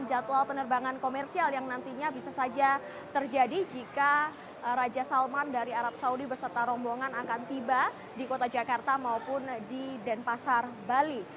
jadwal penerbangan komersial yang nantinya bisa saja terjadi jika raja salman dari arab saudi berserta rombongan akan tiba di kota jakarta maupun di denpasar bali